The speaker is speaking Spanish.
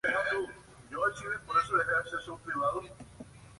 La variable global pertenece a todas las funciones del programa.